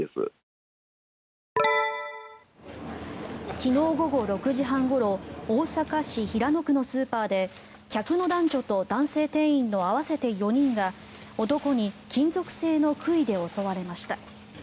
昨日午後６時半ごろ大阪市平野区のスーパーで客の男女と男性店員の合わせて４人が男に金属製の杭で襲われました。